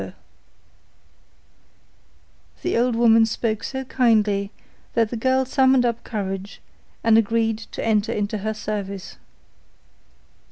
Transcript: The old woman spoke so kindly, that the girl summoned up courage and agreed to enter into her service.